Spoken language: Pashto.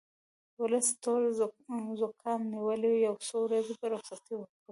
ولس ټول زوکام نیولی یو څو ورځې به رخصتي وکړو